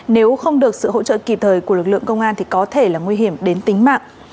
nếu không được sự hỗ trợ kịp thời của lực lượng công an thì có thể là nguy hiểm đến tính mạng